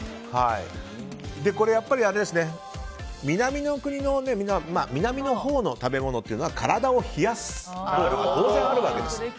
これはやっぱり南のほうの食べ物というのは体を冷やす効果が当然あるわけです。